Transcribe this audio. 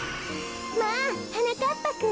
まあはなかっぱくん。